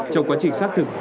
trong quá trình xác thực